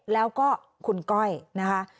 แล้วก็คุณก้อยนะคะ